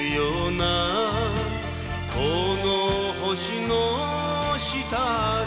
「この星の下で」